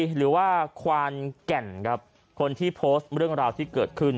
หรือว่าควานแก่นครับคนที่โพสต์เรื่องราวที่เกิดขึ้น